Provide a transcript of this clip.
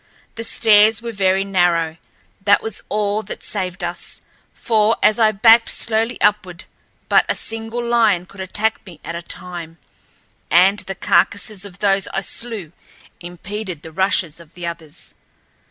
The stairs were very narrow—that was all that saved us—for as I backed slowly upward, but a single lion could attack me at a time, and the carcasses of those I slew impeded the rushes of the others.